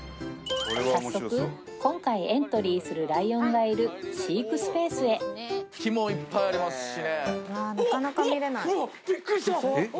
早速今回エントリーするライオンがいる飼育スペースへ木もいっぱいありますしね